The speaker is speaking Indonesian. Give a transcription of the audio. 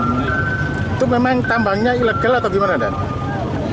itu memang tambangnya ilegal atau gimana dan